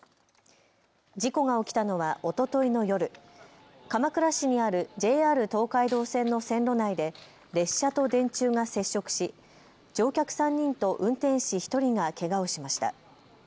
事故が起きたのはおとといの夜、鎌倉市にあるＪＲ東海道線の線路内で列車と電柱が接触し乗客３人と運転士１人がけがをしました。